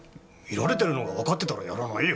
見られてるのがわかってたらやらないよ。